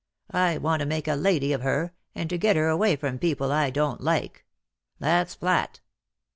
I want to make a lady of her, and to get her away from people I don't like. That's flat!"